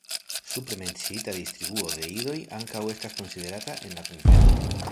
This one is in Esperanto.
Supre menciita distribuo de idoj ankaŭ estas konsiderata en la kunveno.